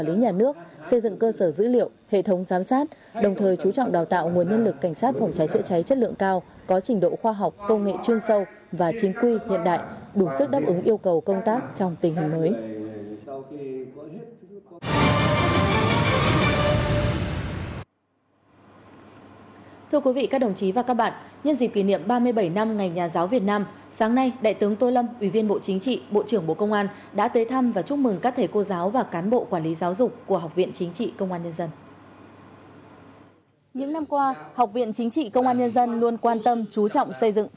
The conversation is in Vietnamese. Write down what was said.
thưa quý vị các đồng chí và các bạn nhân dịp kỷ niệm ba mươi bảy năm ngày nhà giáo việt nam sáng nay đại tướng tô lâm ủy viên bộ chính trị bộ trưởng bộ công an đã tới thăm và chúc mừng các thầy cô giáo và cán bộ quản lý giáo dục của học viện chính trị công an nhân dân